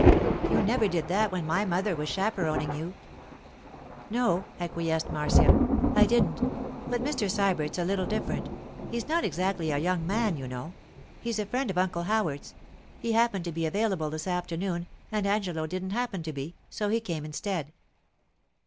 You never did that when my mother was chaperoning you.' 'No,' acquiesced Marcia; 'I didn't. But Mr. Sybert's a little different. He's not exactly a young man, you know; he's a friend of Uncle Howard's. He happened to be available this afternoon, and Angelo didn't happen to be, so he came instead.